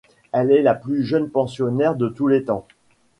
Elle est la plus jeune pensionnaire de tous les temps.